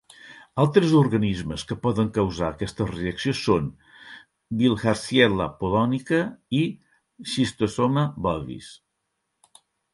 Altres organismes que poden causar aquesta reacció són "Bilharziella polonica" i "Schistosoma bovis".